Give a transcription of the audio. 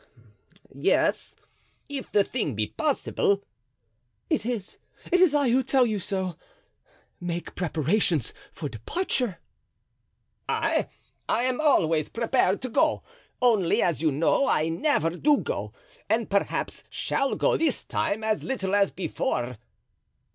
"Yes, if the thing be possible." "It is; it is I who tell you so; make preparations for departure." "I! I am always prepared to go, only, as you know, I never do go, and perhaps shall go this time as little as before."